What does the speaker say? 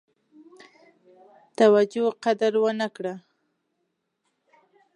توجه قدر ونه کړه.